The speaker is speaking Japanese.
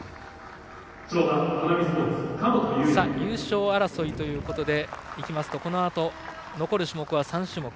優勝争いで言いますとこのあと、残る種目は３種目。